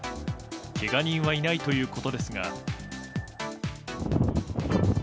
けが人はいないということですが。